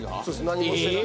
何もしてないのに。